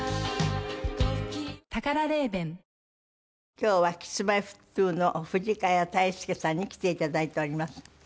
今日はＫｉｓ−Ｍｙ−Ｆｔ２の藤ヶ谷太輔さんに来ていただいております。